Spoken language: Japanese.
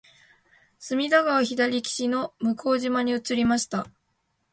隅田川左岸の向島に移りました